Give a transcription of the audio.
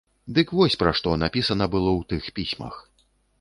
Дык вось пра што напісана было ў тых пісьмах.